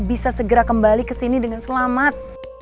bisa segera kembali kesini dengan selamat